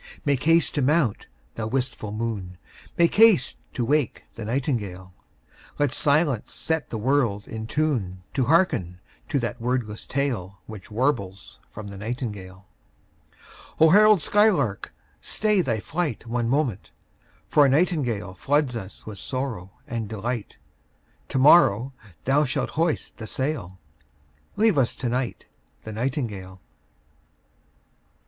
Make haste to mount, thou wistful moon, Make haste to wake the nightingale: Let silence set the world in tune To hearken to that wordless tale Which warbles from the nightingale O herald skylark, stay thy flight One moment, for a nightingale Floods us with sorrow and delight. To morrow thou shalt hoist the sail; Leave us to night the nightingale.